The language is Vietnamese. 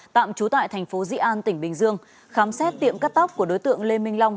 tạm trú tại thành phố dị an tỉnh bình dương khám xét tiệm cắt tóc của đối tượng lê minh long